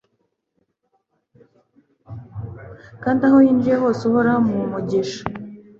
kandi aho yinjiye hose, uhoraho amuha umugisha